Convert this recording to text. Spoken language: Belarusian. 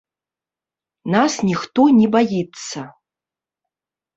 Нас ніхто не баіцца.